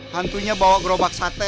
hantunya bawa gerobak sate